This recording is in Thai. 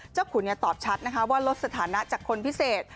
เจ้าขุนเนี่ยตอบชัดนะคะว่าลดสถานะจากคนพิเศษ